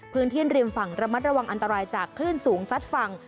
ริมฝั่งระมัดระวังอันตรายจากคลื่นสูงซัดฝั่ง